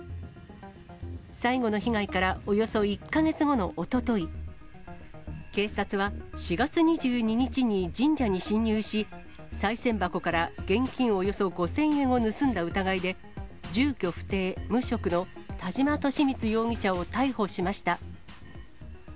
最後の被害からおよそ１か月後のおととい、警察は４月２２日に神社に侵入し、さい銭箱から現金およそ５０００円を盗んだ疑いで、住居不定、無職の田島利光容疑者を逮捕しました。